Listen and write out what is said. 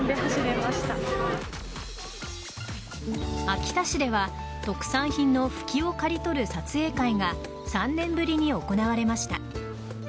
秋田市では特産品のフキを刈り取る撮影会が３年ぶりに行われました。